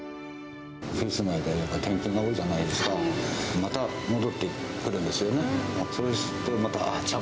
オフィス街で、転勤が多いじゃないですか、また戻ってくるんですよね。